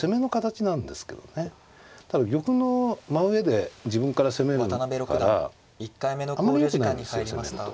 ただ玉の真上で自分から攻めるからあまりよくないんですよ攻めると。